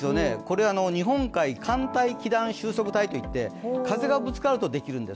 日本海寒帯気団収束帯といって、風がぶつかるとできるんです。